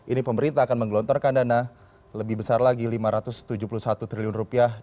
ini pemerintah akan menggelontorkan dana lebih besar lagi rp lima ratus tujuh puluh satu triliun rupiah